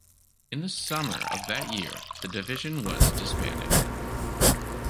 In the summer of that year the division was disbanded.